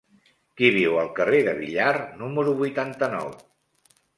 Qui viu al carrer de Villar número vuitanta-nou?